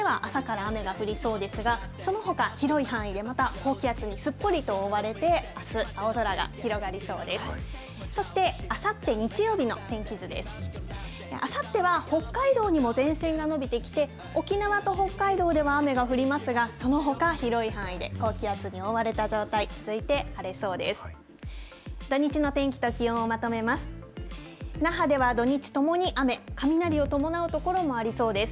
あさっては北海道にも前線が延びてきて、沖縄と北海道では雨が降りますが、そのほか広い範囲で高気圧に覆われた状態、続いて晴れそうです。